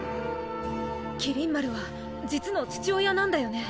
麒麟丸は実の父親なんだよね。